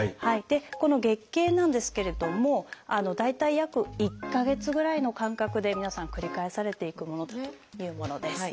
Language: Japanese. この月経なんですけれども大体約１か月ぐらいの間隔で皆さん繰り返されていくものというものです。